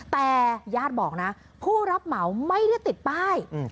แต่ญาติบอกนะผู้รับเหมาไม่ได้ติดป้าย